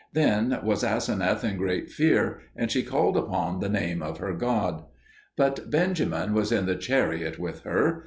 Then was Aseneth in great fear, and she called upon the name of her God. But Benjamin was in the chariot with her.